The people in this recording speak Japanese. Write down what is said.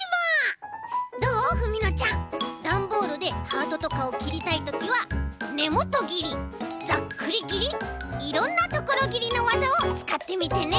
ダンボールでハートとかをきりたいときはねもとぎりざっくりぎりいろんなところぎりのわざをつかってみてね！